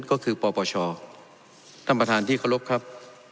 ก็คือปปชท่านประธานที่เคารพครับ